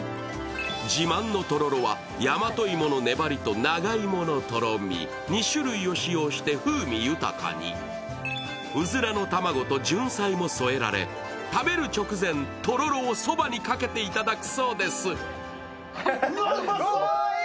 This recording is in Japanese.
自慢のとろろは、大和芋の粘りと長芋のとろみ、２種類を使用して風味豊かに、うずらの卵とじゅんさいも添えられ、食べる直前、とろろをそばにかけていただくそうです。